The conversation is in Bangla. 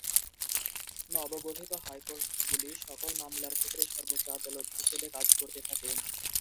নবগঠিত হাইকোর্ট গুলি সকল মামলার ক্ষেত্রে সর্বোচ্চ আদালত হিসেবে কাজ করতে থাকে।